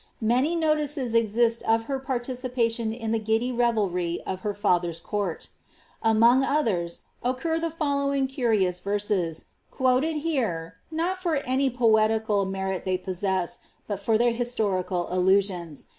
Many notices exist of her participation in the giddy revelry of her father's court Among others, occur the following curious verses, quoted here, not for any poetical Dierit they possess, but for their historical allusions.'